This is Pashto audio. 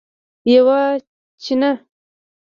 یوه چینه